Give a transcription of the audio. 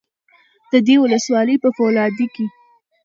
د دې ولسوالۍ په فولادي کې